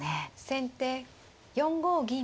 先手４五銀。